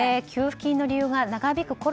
給付金の理由が長引く